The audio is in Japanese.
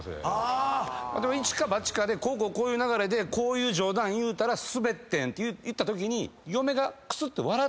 イチかバチかでこういう流れでこういう冗談言うたらスベってんって言ったときに。